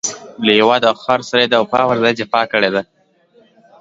له هېواد او خاورې سره يې د وفا پر ځای جفا کړې ده.